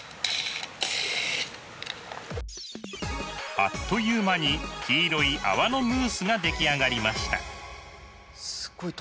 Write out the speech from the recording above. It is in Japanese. あっという間に黄色い泡のムースが出来上がりました。